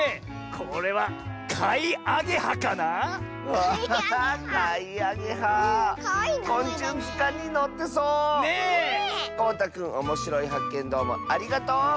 こうたくんおもしろいはっけんどうもありがとう！